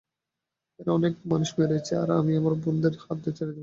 এরা অনেক মানুষকে মেরেছে, আর আমি আমার বোনকে এদের হাতে ছেড়ে দেব না।